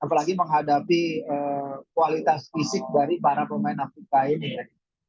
apalagi menghadapi kualitas fisik dari para pemain afrika ini